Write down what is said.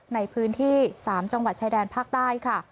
ในพื้นที่๓จังหวัดชายแดนภาคใต้ค่ะ